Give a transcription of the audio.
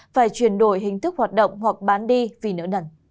phải chuyển đổi hình thức hoạt động hoặc bán đi vì nỡ nẩn